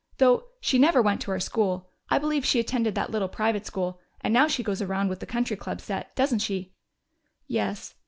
"Though she never went to our school. I believe she attended that little private school, and now she goes around with the Country Club set, doesn't she?" "Yes.